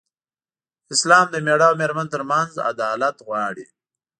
اسلام د مېړه او مېرمن تر منځ عدالت غواړي.